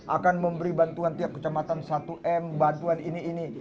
akan memberi bantuan tiap kecamatan satu m bantuan ini ini